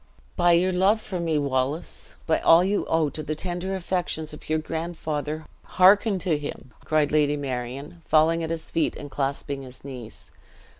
"By your love for me, Wallace by all you owe to the tender affections of your grandfather, hearken to him!" cried Lady Marion, falling at his feet, and clasping his knees.